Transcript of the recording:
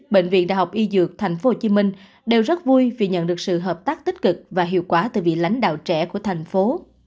bệnh viện đại học y dược tp hcm đều rất vui vì nhận được sự hợp tác tích cực và hiệu quả từ vị lãnh đạo trẻ của thành phố